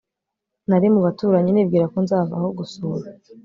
nari mu baturanyi nibwira ko nzavaho gusura